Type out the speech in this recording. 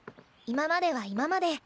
今までは今まで。